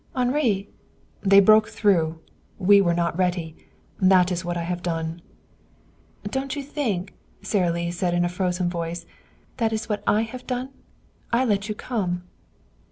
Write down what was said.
"Henri!" "They broke through. We were not ready. That is what I have done." "Don't you think," Sara Lee said in a frozen voice, "that is what I have done? I let you come."